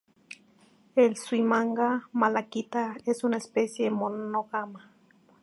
El suimanga malaquita es una especie monógama.